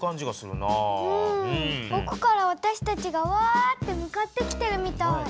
奥からわたしたちがワーッて向かってきてるみたい。